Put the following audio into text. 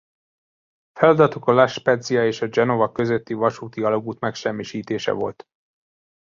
Feladatuk a La Spezia és a Genova közötti vasúti alagút megsemmisítése volt.